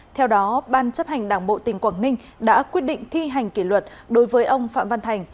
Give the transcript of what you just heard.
theo đó ban chấp hành đảng bộ tỉnh quảng ninh đã quyết định thi hành kỷ luật đối với ông phạm văn thành